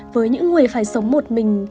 với những người phải sống một mình